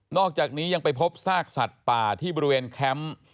อกจากนี้ยังไปพบซากสัตว์ป่าที่บริเวณแคมป์